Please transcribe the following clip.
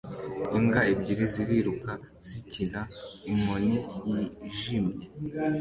Imbwa ebyiri ziriruka zikina inkoni yijimye